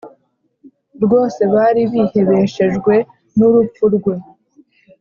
Rwose bari bihebeshejwe n’ urupfu rwe